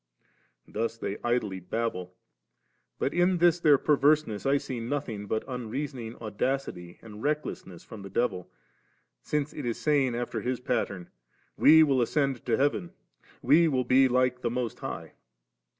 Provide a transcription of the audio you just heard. Thus they idly babble; but in this their perverseness I see nothing but un reasoning audacity and recklessness from the devil ^, since it is saying after his pattern, * We will ascend to heaven, we will be like the Most High.'